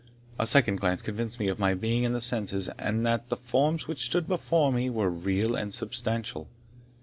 A second glance convinced me of my being in my senses, and that the forms which stood before me were real and substantial.